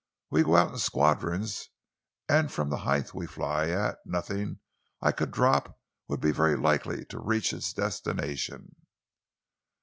We go out in squadrons, and from the height we fly at nothing I could drop would be very likely to reach its destination."